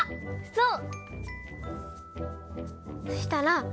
そう！